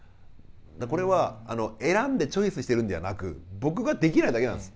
これは選んでチョイスしてるんではなく僕ができないだけなんです。